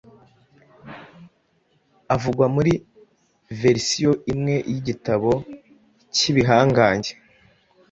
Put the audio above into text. avugwa muri verisiyo imwe yigitabo cyibihangange